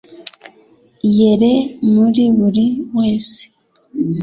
yere muri buri wese